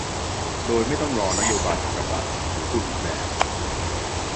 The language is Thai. โดยไม่ต้องรอนโยบายจากกษัตริย์ หรือพูดอีกแบบ